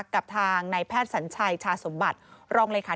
กับทางนายแพทย์สัญชัยชาสมบัติรองเลยค่ะ